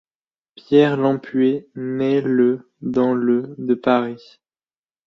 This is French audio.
Pierre Lampué naît le dans le de Paris.